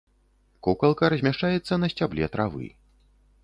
Кукалка размяшчаецца на сцябле травы.